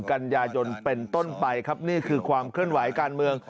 กันยายนเป็นต้นไปครับนี่คือความเคลื่อนไหวการเมือง